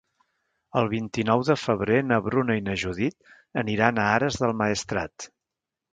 El vint-i-nou de febrer na Bruna i na Judit aniran a Ares del Maestrat.